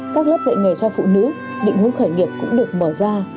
các lớp dạy nghề cho phụ nữ định hướng khởi nghiệp cũng được mở ra